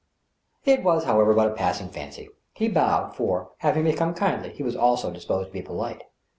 It was, however, but a passing fancy. He bowed, for, having become kindly, he was also disposed to be polite.